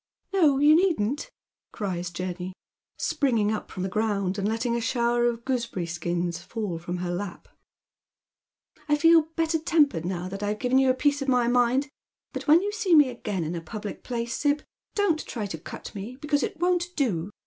" No, you needn't," cries Jenny, springing up fi om the ground and letting a shower of gooseberry skins fall fi om her lap. " I feel better tempered now that I've given you a piece of my mind_ but when you see me again in a public place. Sib, don't you try to cut me, because it won't do.